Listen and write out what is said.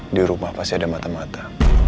di rumah pasti ada mata mata